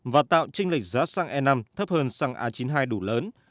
và tạo tranh lệch giá xăng e năm thấp hơn xăng a chín mươi hai đủ lớn